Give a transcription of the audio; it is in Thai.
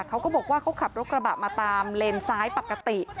เขาก็บอกว่าเขาขับรถกระบะมาตามเลนซ้ายปกติ